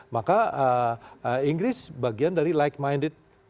maka inggris bagian dari like minded